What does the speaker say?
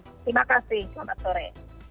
terima kasih selamat sore